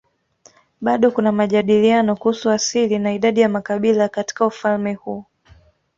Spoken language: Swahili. Bado kuna majadiliano kuhusu asili na idadi ya makabila katika ufalme huu.